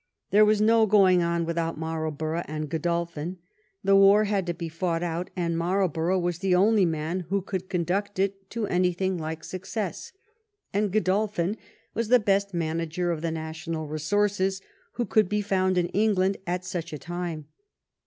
There was no going on with out Marlborough and Godolphin. The war had to be fought outy and Marlborough was the only man who could conduct it to anything like success, and Godol phin was the best manager of the national resources who could be found in England at such a time.